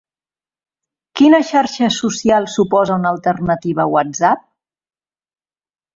Quina xarxa social suposa una alternativa a WhatsApp?